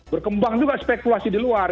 berkembang juga spekulasi di luar